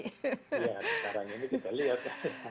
sekarang ini kita lihat